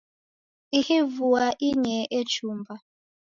Ihi vua inyee echumba.